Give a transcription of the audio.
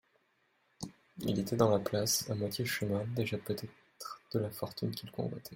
Il était dans la place, à moitié chemin déjà peut-être de la fortune qu'il convoitait.